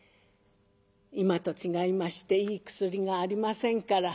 今と違いましていい薬がありませんから。